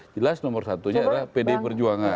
jelas nomor satunya adalah pdi perjuangan